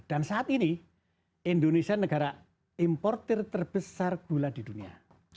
dan saat ini indonesia negara importer terbesar gula di dunia